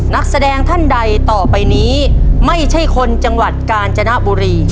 นักแสดงท่านใดต่อไปนี้ไม่ใช่คนจังหวัดกาญจนบุรี